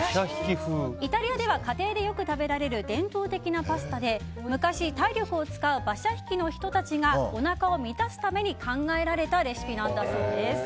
イタリアでは家庭でよく食べられる伝統的なパスタで昔、体力を使う馬車引きの人たちがおなかを満たすために考えられたレシピなんだそうです。